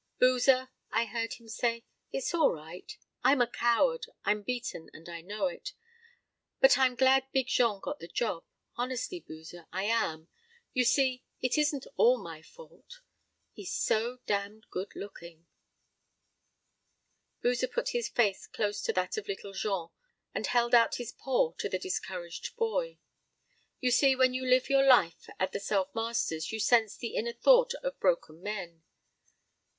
"Boozer," I heard him say, "it's all right; I am a coward, I'm beaten and I know it, but I'm glad Big Jean got the job honestly, Boozer, I am you see it isn't all my fault he's so damned good looking." Boozer put his face close to that of Little Jean and held out his paw to the discouraged boy. You see when you live your life at the Self Masters you sense the inner thought of broken men.